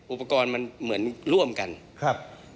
อุปกรณ์มันเหมือนร่วมกันครับ